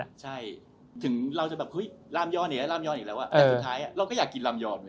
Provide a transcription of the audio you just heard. ถึงเราจะแบบที่มีกาแมนอีกแล้วอะแต่สุดท้ายเราก็อยากกินลามยอนเลย